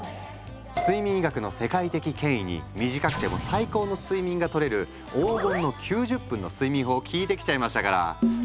睡眠医学の世界的権威に短くても最高の睡眠がとれる「黄金の９０分」の睡眠法を聞いてきちゃいましたから。